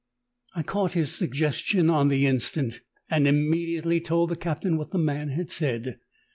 85 I caught his suggestion on the instant and imme diately told the eaptain what the man had said.